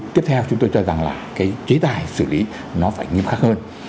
tiếp theo chúng tôi cho rằng là cái chế tài xử lý nó phải nghiêm khắc hơn